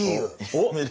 おっ！